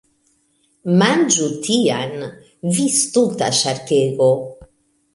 Manĝu tian! Vi stulta ŝarkego!